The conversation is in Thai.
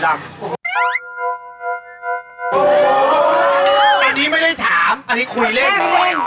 อร่อยไหม